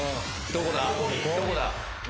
・どこだ？